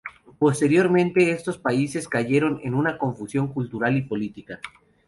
Posteriormente estos países cayeron en una confusión cultural y política.